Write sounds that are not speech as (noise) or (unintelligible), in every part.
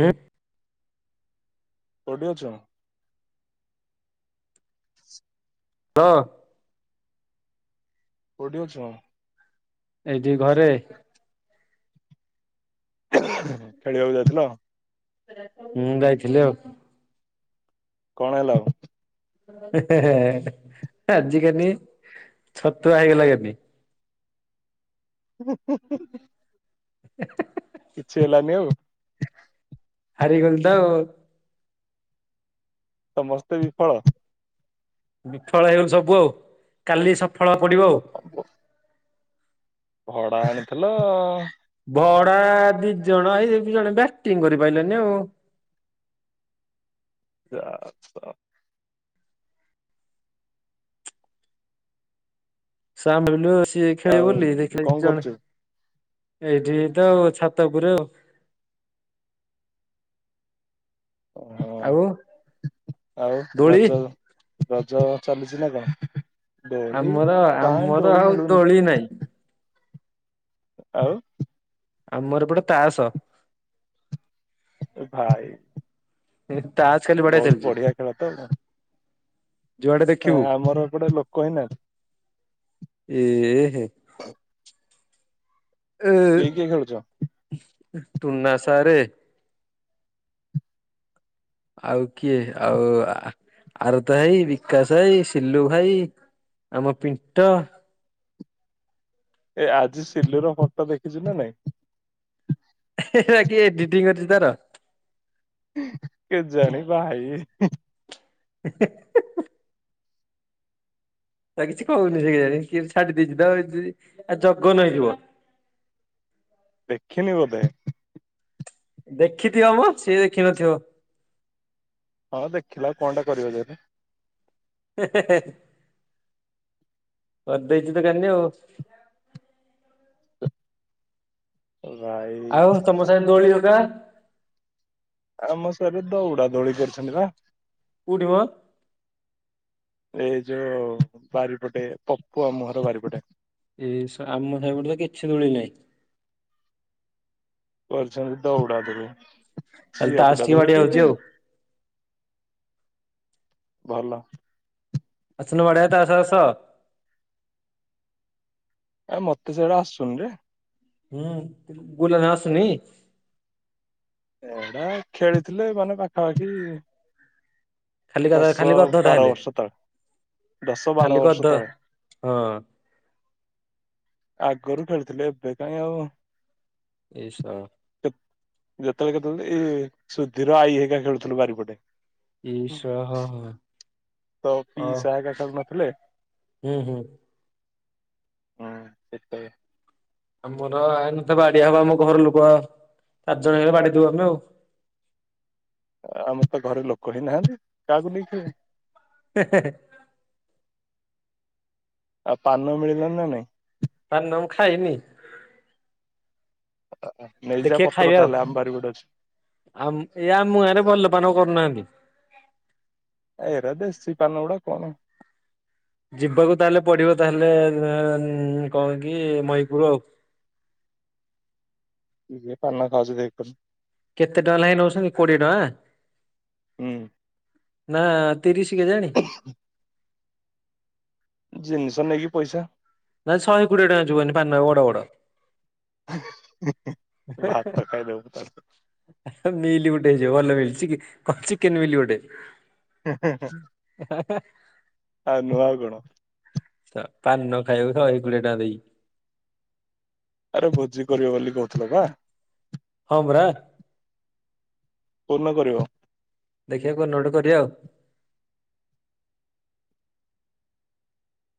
ହୁଁ। କୋଉଠି ଅଛ? ହଁ। କୋଉଠି ଅଛ? ଏଇଠି ଘରେ ଖେଳିବାକୁ ଯାଇଥିଲ? ହୁଁ ଯାଇଥିଲି ଆଉ କଣ ହେଲା ଆଉ ଆଜିିକାନି ଛତୁ ହେଇଗଲା କାଲି ହ (inaudible) କିଛି ହେଲାନି ଆଉ? ହାରିଗଲିତ। ସମସ୍ତେ ବିଫଳ? ବିଫଳ ହେଇଗଲୁ ସବୁ ଆଉ କାଲି ସଫଳ ହବାକୁ ପଡ଼ିବ ଆଉ। (inaudible) ଭଡ଼ା ଆଣିଥିଲ ଭଡ଼ା ଦିଜଣ ଆଇ ଦିଜଣ ବ୍ୟାଟିଂ କରିପାରିଲେନି ଆଉ। (unintelligible) ସାଆମେ ଭାବିଲୁ ସିଏ ଖେଳିବ ଆଉ ବୋଲି ଦେଖିଲେ କଣ ବେଳୁ ଜଣେ କରୁଛୁ ଏଇଠିତ ଛାତପୁରରେ ଆଉ। ଓହଁ ଆଉ ଆଉ ଦୋଳି ରଜ ରଜ ଚାଲୁଚି ନାକଣ ଦୋଳି କାଇଁ ଦୋଳି ମିଳୁନି। କିନାଇଁ ଆଉ। ଆମର ଏପଟେ ତାସ। ଏଭାଇ ତାସ ଖାଲି ବଢିଆ ବହୁତ୍ ଚାଲିଛି ବଢ଼ିଆ ଖେଳତ ନା ଯୁଆଡେ ହଁ ଦେଖିବୁ ଆମର ଏପଟେ ଲୋକହିଁ ନାହାନ୍ତି। ଏହେ। (inaudible) ଏ କିଏ କିଏ ଖେଳୁଚ? ଟୁନା ସାରେ ଆଉ କିଏ ଆଉ ଆରତ ଭାଇ ବିକାଶ ଭାଇ ସିଲୁ ଭାଇ ଆମ ପିଣ୍ଟ ଏ ଆଜି ସିଲୁର ଫଟୋ ଦେଖିଚୁନା ନାଇଁ? ହେ ହେ ଏଟା କିଏ ଏଡିଟିଂ କରିଚି ତାର? କେଜାଣି ଭାଇ ହେ। (inaudible) ନାଁକିଛି କହୁନି ସେକେଜାଣି କିଏ ଛାଡ଼ି ଦେଇଚିତ ଆଉ ଯ ଆଉ ଜଗନ ହେଇଥିବ। ଦେଖିନି ବୋଧେ। ଦେଖିଥିବମ ସିଏ ଦେଖିନଥିବ। ହଁ ଦେଖିଲା କଁଟେ କରିବ ଯବେ। କରିଦେଇଚିତ ଜାନି ଆଉ। ଭାଇ ଆଉ ତମ ସାହି ଦୋଳି ହଡା। ଆମ ସାଇରେତ ଉଡ଼ାଦୋଳି କରିଚନ୍ତିପା। କୋଉଠିିମୋ? ଏଇ ଯୋଉ ବାରିପଟେ ପପୁ ଆମୁହଁର ବାରିପଟେ। ଏସଆ ଆମ ସାଇପଟେତ କିଛି ଦୋଳି ନାହିଁ। କରିଛନ୍ତାତ ଉଡ଼ାଦୋଳି। ତାହେଲେ ତାସ୍ ଟିକେ ବାଡ଼େଇ ହଉଚି ଆଉ। ଭଲ। ଆସୁନୁ ବଡ଼େଇବା ତାସ୍ ଆସ। ଏ ମତେ ସେଇଡ଼ା ଆସୁନିରେ। ହୁଁ (unintelligible) ଆସୁନି। ଏଇଟା ଖେଳିଥିଲେ ମାନେ ପାଖାପାଖି ଖାଲି ଗଧ, ଦଶ ଖାଲି ଗଧ ବାର ତାହେଲେ ବର୍ଷ ତଳେ, ଦଶ ଖାଲି ବାର ଗଧ ବର୍ଷ ତଳେ। ହଁ। ଆଗରୁ ଖେଳୁଥିଲେ, ଏବେ କାଇଁ ଆଉ ଏଇ ସ କେ-ଯେତେବେଳେ କେତେବେଳେ ଏ ସୁଧିର ଆଈ ହେକା ଖେଳୁଥୁଲୁ ବାରିପଟେ। ଈଶ ହଁ, ହଁ। ତ ଅ ପିଇସା ହେରକା ସବୁ ନଥିଲେ। ହୁଁ ହୁଁ ହଁ ସେତଳେ। ଆମର ଆ ନଥା ବାଡିଆ ହବ ଆମ ଘର ଲୋକ ଚାରିଜଣ ହେଇଗଲେ ବାଡିଦଉ ଆମେ ଆଉ। ଆମର ତ ଘରେ ଲୋକ ହିଁ ନାହାନ୍ତି କାହାକୁ ନେଇକି ଖେଳିବେ? ହେ, ହେ, ହେ। ଆଉ ପାନ ମିଳିଲାନି ନା ନାଇଁ? ପାନ ମୁଁ ଖାଇନି। ଓ ହୋ। ଦେଖିଆ ଖାଇବା ଆଉ ଆମ ଇଏ ଆମ ଗାଁ ରେ ଭଲ ପାନ କରୁନାହାନ୍ତି। ଏରା ଦେଶୀ ପାନ ଉଡ଼ା କଣ। ଯିବାକୁ ତାହେଲେ ପଡିବ ତାହେଲେ ଅ, କଣ କି ମହିପୁର। କିଏ ପାନ ଖାଉଛୁ ଦେଖନି। କେତେ ଟଙ୍କା ଲାଖେ ନଉଛନ୍ତି କୋଡିଏ ଟଙ୍କା? ହୁଁ। ନା ତିରିଶ କେଜାଣି? ହଁ। ଜିନିଷ ନେଇକି ପଇସା। ନା ଶହେ କୋଡିଏ ଟଙ୍କା ଯୁଅନି ପାନ ବଡ ବଡ। ହେ, ହେ। ଭାତ ଖାଇଦବୁ ହେ ମିଲି ଗୋଟେ ହେଇଯିବ, ଭଲ ମିଲ୍ ଚିକି କଣ ଚିକେନ୍ ମିଲି ଗୋଟେ। ତାହେଲେ। ହ ଆଉ ନୁହଁ ଆଉ କଣ। ତ ପାନ ଖାଇବୁ ଶହେ କୋଡିଏ ଟଙ୍କା ଦେଇ। ଆରେ ଭୋଜି କରିବ ବୋଲି କହୁଥିଲ ବା? ହଁ ପରା। କୋଉ ଦିନ କରିବ? ଦେଖିବା କୋଉନ ଗୋଟ କରିବା ଆଉ।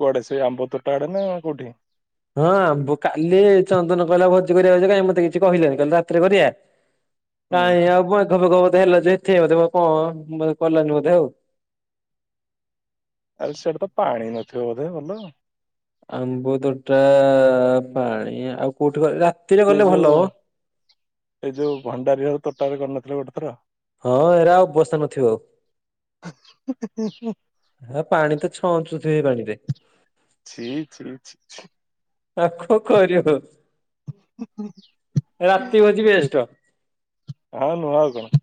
କୁଆଡେ ସେଇ ଆମ୍ବ ତୋଟା ଆଡେ ନା କୋଉଠି? ହଁ ଭୁ-କାଲି ଏ ଚନ୍ଦନ କହିଲା ଭୋଜି କରିବା କଥା କାଇଁ ମୋତେ କିଛି କହିଲାନି। କାଲି ରାତିରେ କରିବା? ହୁଁ କାଇଁ ଆଉ ମେଘ ଫେଘ ବୋଧେ ହେଲା ଯେ ଥିଆ ବୋଧେ କଣ ମାନେ କଲାନି ବୋଧେ ଆଉ। ଆରେ ସେଠି ତ ପାଣି ନଥିବ ବୋଧେ ଭଲ। ଆମ୍ବ ତୋଟା ପାଣି ଆଉ କୋଉଠି କ- ରା ସେ ଯୋଉ ଏ ଯୋଉ ଭଣ୍ଡାରି ଘର ତୋଟାରେ କରିନଥିଲେ ଗୋଟେ ଥର। ହଁ ଏରା ଆଉ ବସି ନଥିବ ଆଉ। ହେ ପାଣି ତ ଛଅଞ୍ଚୁଥିବେ ପାଣିରେ। ଛି, ଛି, ଛି, ଛି। ପାଖ କରିବା କହ, ରାତି ହୋଉଚି ବେଷ୍ଟ। ହଁ ନୁଆ ଆଉ କଣ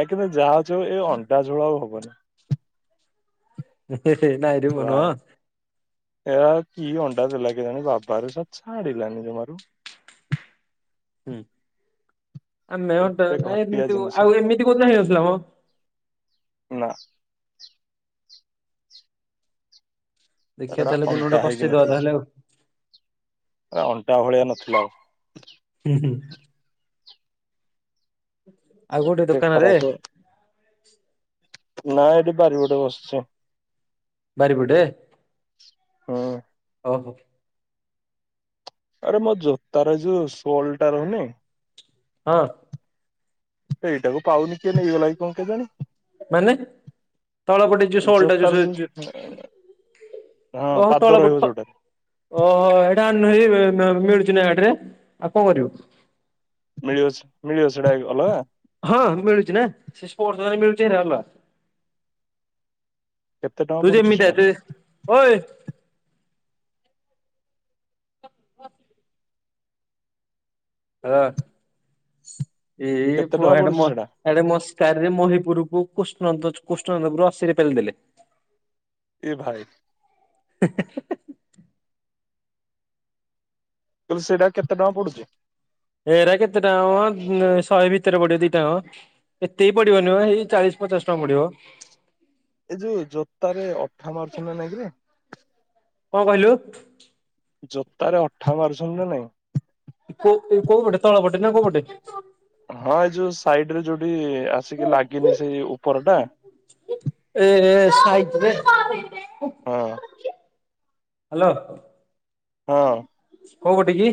ନାଇଁ କିନ୍ତୁ ଯାହା ହଉଛି ହୋଉ ଏ ଅଣ୍ଡା ଝୁଳ ଆଉ ହବନି। ହେ ହେ ହେ ନାଇଁରେ ମୁଁ ନୁହଁ। ଏରା କି ଅଣ୍ଡା ଦେଲା କେଜାଣି ବାବାରେ ସ ଛାଡିିଲାନି ଜମାରୁ। ହୁଁ ଆ ମେଅଣ୍ଟା ଏତେ ନାଇ ଘଟିଆ କିନ୍ତୁ ଜିନିଷ ଆଉ ଏମିତି କୋଉଦିନ ହେଇ ନଥିଲା ମ। ନା। ଦେଖିବା ତାର ତାହେଲେ ଏଟା କୋଉଦିନ ଗୋଟେ ଅଣ୍ଟା ହେଇକି କଷେଇଦବା ନଥିଲା। ତାହେଲେ ଆଉ ହୁଁ ଏ ଅଣ୍ଟା ଭଳିଆ ନଥିଲା ଆଉ ହୁଁ ହୁଁ। ଆଉ କୋଉଠେ ଏତେ ଦୋକାନରେ ଖରାପ ନା ଏଠି ବାରିପଟେ ବସିଚି ବାରିପଟେ ହୁଁ ହୋଉ ହୋଉ। ଆରେ ମୋ ଜୋତାର ଯୋଉ ଶୋଲ ଟା ରହୁନି ହଁ। ଏଇଟାକୁ ପାଉନି କିଏ ନେଇଗଲା କି କଣ କେଜାଣି। ମାନେ ତଳ ପଟେ ଯୋଉ ଶୋଲଟା ଯୋ ଜୋତାର ଯୋଉ ଜୋଉ ହଁ ପାଦ ରହିବ ଯୋଉଟା ହଁ ଏଟା ନେହି ମି ମିଳୁଚିନା ବାଟେରେ ଆଉ କଣ କରିବ। ମିଳିବ ସେ ମିଳିବ ସେଟା ଏଇ ଅଲଗା। ହଁ ମିଳୁଚି ନା ସେ ସ୍ପୋର୍ଟ ଦୋକାନରେ ମିଳୁଚୁ ହେରା ଅଲଗା। କେତେ ଟଙ୍କା ତୁ ପଡୁଛି ଯେମିତିକା ସେଇଟା ଦେ ଓଏ ହଁ ହଁ ଏଇ କେତେ ଟଙ୍କା ପହା ଏଟା ପଡୁଛି ସେଇଟା ମର ଆରେ ମୋ ସ୍କାରରେ ମୋ ରିପୋଟକୁ କୃଷ୍ଣନ୍ଦୋଯ କୃଷ୍ଣନନ୍ଦ ପୁର ଅଶିରେ ପେଲିଦେଲେ। ଏ ଭାଇ। ହେ ହେ ଆଉ ସେଇଟା କେତେ ଟଙ୍କା ପଡୁଚି। ଏରା କେତେ ଟଙ୍କା ମ ଉ ଶହେ ଭିତରେ ପଡିବ ଦିଟାଙ୍କ। ଏତିବି ପଡିବନିମ ଏଇ ଚାଳିଶ ପଚାଶ ଟଙ୍କା ପଡିବ। ଏଇ ଯୋଉ ଜୋତାରେ ଅଠା ମାରୁଚନ୍ତି ନା ନାଇଁ କିରେ। କଣ କହିଲୁ। ଜୋତାରେ ଅଠା ମାରୁଚନ୍ତି ନା ନାଇଁ। କୋଉ କୋଉ କୋଉପଟେ ତଳ ପଟେ ନା କୋଉ ପଟେ। ହଁ ଏଇ ଯୋଉ ସାଇଟିରେ ଯୋଉଠି ଆସିକି ଲାଗିନି ସେଇ ଉପର ଟା ଏ ଏ ସାଇଟିରେ ହଁ ହ୍ୟାଲୋ ହଁ କୋଉ ପଟେ କି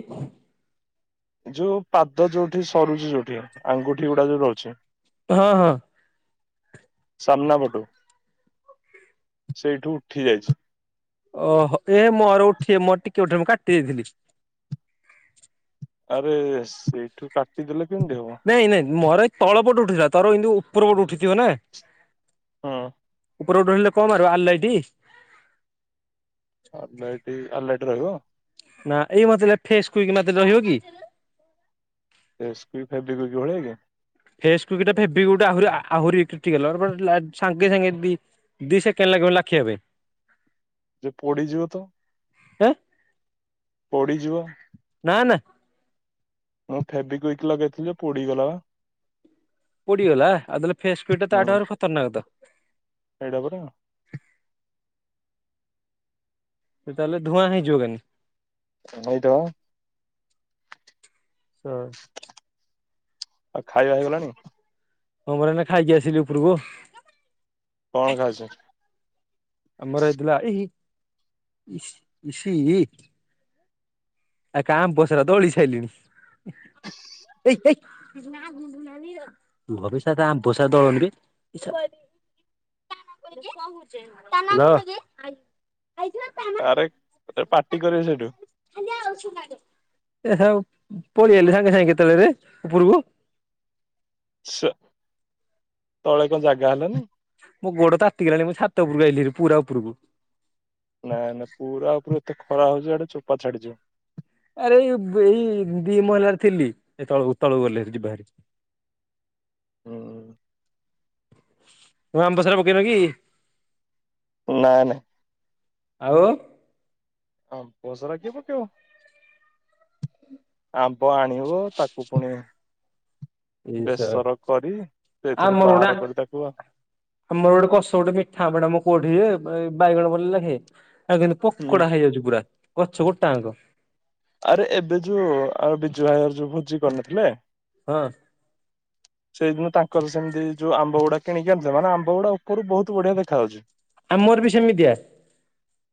ଯୋଉ ପାଦ ଯୋଉଠି ସରୁଚି ଯୋଉଠି, ଆଙ୍ଗୁଠି ଗୁଡା ଯୋଉଠି ରହୁଚି। ହଁ ହଁ। ସାମ୍ନା ପଟୁ ସେଇଠୁ ଉଠି ଯାଇଛି। ଓହୋ ଏ ମୋର ଉଠେ ମୋର ଟିକେ ଉଠିଲେ ମୁଁ କାଟି ଦେଇଥିଲି। ଆରେ ସେଇଠୁ କାଟିଦେଲେ କେମିତି ହବ। ନାଇଁ ନାଇଁ ମୋର ଏ ତଳ ପଟୁ ଉଠୁଥିଲା ତୋର ଏମିତି ଉପର ପଟୁ ଉଠିଥିବ ନା ହଁ। ଉପରପଟକୁ ରହିଲେ କଣ ମାରିବ ଆ ଲାଇଟି। ଆ ଲାଇଟ ଆ ଲାଇଟ ରହିବ। ନା ଏଇ ମତେ ଲା ଫେସ କୁଇକ୍ ମାତେ ରହିବକି। ଫେସ୍ କୁଇକ୍ ଫେବି କୁଇକ୍ ଭଳିଆ କି (unintelligible) ଦି ସେକେଣ୍ଡ ଲାଖିବ ନି ଲାଖିବା ପାଇଁ। ଯେ ପୋଡିଯିବ ତ? ହେଁ ପଡ଼ିଯିବ? ନା ନା। ହଁ ଫେବିକୁୟିକ୍ ଲଗେଇଥିଲି ଏ ପୋଡିଗଲା ବା। ପୋଡିଗଲା ଆଉ ତାହଲେ ଫେସ୍ କିଟ ଟା ତା ଠାରୁ ଆହୁରି ଖତରନାକ ତ। ସେଇଟା ପରା। ସେ ତାହଲେ ଧୁଆଁ ହେଇଯିବ କେନେ। ହୋଉଥବ। ସ ଆଉ ଖାଇବା ହେଇଗଲାଣି? ହଁ ପରା ଏଇନା ଖାଇକି ଆସିଲି ଉପରକୁ। କଣ ଖାଇଚ? ଆମର ଏଇଥିଲା (inaudible) ଆଉ କାଁ ଆମ୍ବସରା ଦଳି ସାଇଲିଣି। ଆ (inaudible) (inaudible) (inaudible) ହେଲୋ। ଆରେ, ପାଟି କରିବେ ସେଇଠୁ। (inaudible) ପଳେଇଆଇଲା ସାଙ୍ଗେ ସାଙ୍ଗେ କେତେଳେରେ ଉପରକୁ। ସ୍ୟ ତଳେ କଣ ଜାଗା ହେଲାନି? ମୋ ଗୋଡ ତାତିଗଲାଣି ମୁଁ ଛାତ ଉପରକୁ ଯାଇଥିଲି ପୁରା ଉପରକୁ। ନାଇଁ ନାଇଁ ପୁରା ଉପରୁଏତେ ଖରା ହଉଚି ଆଡେ ଚୋପା ଛାଡିଯିବ। ଆରେ ଏଇ ବ ଏଇ ଦି ମହଲାରେ ଥିଲି ଏଇ ତଳକୁ ତଳକୁ ଗଲେ ଭାରି ଜିବା ଭାରି। ହୁଁ (unintelligible) ଆମ୍ବ ସଢା ପକେଇନ କି? ନାଇଁ ନାଇଁ। ଆଉ। ଆମ୍ବ ସରା କିଏ ପକେଇବ? ଆମ୍ବ ଆଣିବୁ ତାକୁ ପୁଣି ଭୀମ୍ ସରା ବେସର କରି ସେଇଥିରୁ ଆମରଡା ବାହାର କରି ତାକୁ ଆମର ଗୋଟେ କଷ ଗୋଟେ ମିଠା ଆମ୍ବ ଟା ନା କୁହ ଟିକେ ବାଇଗଣ ପୋଲେଇ ନାକି! ଆଉ କିନ୍ତୁ ହୁଁ ପକୋଡା ହେଇଯାଉଛି ପୁରା ଗଛ ଗୋଟାଙ୍କ। ଆରେ ଏବେ ଯୋଉ ଆ ବିଜୁ ଭାଇର ଯୋଉ ଭୋଜି କରିନଥିଲେ ହଁ। ସେଇଦିନ ତାଙ୍କର ସେମିତି ଯୋଉ ଆମ୍ବ ଗୁଡା କିଣିକି ଆଣିଥିଲେ ନା ମାନେ ଆମ୍ବ ଗୁଡା ଉପରୁ ବହୁତ ବଢିଆ ଦେଖା ଯାଉଚି। ଆମର ବି ସେମିତିଆ।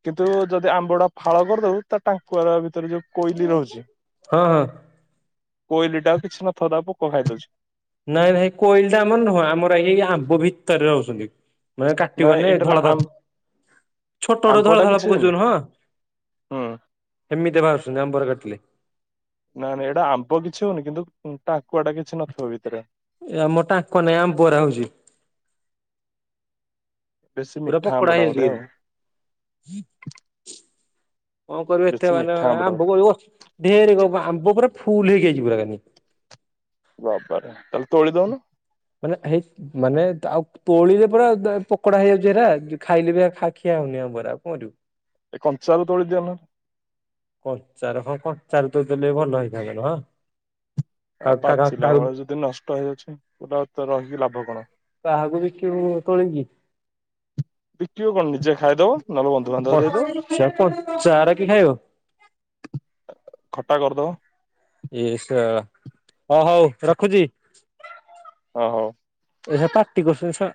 କିନ୍ତୁ ଯଦି ଆମ୍ବ ଟାକୁ ଫାଳ କରିଦବୁ ତା ଟାଙ୍କୁଆର ଭିତରେ ଯୋଉ କୋଇଲି ରହୁଚି ହଁ ହଁ କୋଇଲି ଟା ଆଉ କିଛି ନଥବ ତାକୁ ପୋକ ଖାଇଦଉଚି। ନାଇଁ ନାଇ କୋଇଲ ଟା ଆମର ନୁହେଁ ଆମର ଏଇ ଆମ୍ବ ଭିତରେ ରହୁଚନ୍ତି। ମାନେ ନା କାଟିବନେ ଏଇଟାର ଧଳା ଧଳା ଛୋଟ ବଟୁ ଧଳା ଧଳା ପକେ ଯୋଉ ନୁହଁ। ହଁ। ଏମିତି ବାହାରୁଚନ୍ତି ଆମ୍ବର କାଟିଲେ। ନାଇଁ ନାଇ ଏଇଟା ଆମ୍ବ କିଛି ହଉନି କିନ୍ତୁ ଟାକୁଆ ଟା କିଛି ନଥିବ ଭିତରେ। ଏ ଆମୋ ଟାଙ୍କ ନାହିଁ ଆମ୍ବ ଗୁରା ହଉଛି। ବେଶୀ ପୁରା ମିଠା ପୋକଡ଼ା ଆମ୍ବଟା ହେଇଯାଉଛି ବୋଧେ ଆଉ କେମିତି। କଣ କରିବ ଏତେ ବେଶୀ ମାନେ ମିଠା ଆମ୍ବଟା ବୋଧେ। ଆମ୍ବ କଇ ଢେର ଆମ୍ବ ପୁରା ଫୁଲ ହେଇକି ଆଇଛି ପୁରା କାନି। ବାବାରେ, ତାକୁ ତୋଳି ଦେଉନୁ। ମାନେ ହେଇକି ମାନେ ଆଉ ତୋଳିଲେ ପୁରା ଦ ପୋକଡା ହେଇଯାଉଛି ହେରା ଖାଇଲେ ବି ଖା ଖିଆ ହଉନି ଆମ୍ବ ଗୁରା ଆଉ କଣ କରିବୁ। ଏ କଞ୍ଚା ରୁ ତୋଳିଦିଅ ନହଲେ। କଞ୍ଚାରେ ହଁ କଞ୍ଚାରୁ ତୋଳି ଦେଲେ ଭଲ ହେଇଥାନ୍ତା ନୁହଁ। ଆଉ ପାଚିଲା କାହାକୁ ବେଳେ ଯଦି ନଷ୍ଟ ହେଇଯାଉଛି (unintelligible) ରହିକି ଲାଭ କଣ? ବାହାକୁ ବିକିବୁ ତୋଳିିକି? ବିକିବ କଣ ନିଜେ ଖାଇଦବ ନହେଲେ ବନ୍ଧୁବାନ୍ଧବ ଦେଇଦବ ପଚ଼ ପଚା ଆରା କିଏ ଖାଇବ? ଖଟା କରିଦବ। ଏ ସା ହ ହଉ ରଖୁଛି। ଓ ହୋ। ଏଇ ପାର୍ଟି କରୁଛନ୍ତି ଛୁଆ।